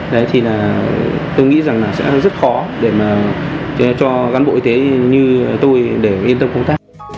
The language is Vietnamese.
tôi nghĩ sẽ rất khó cho cán bộ y tế như tôi để yên tâm công tác